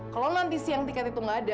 kalau nanti siang tiket itu nggak ada